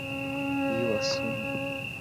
Rio Acima